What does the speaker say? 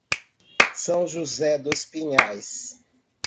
São José Dos Pinhais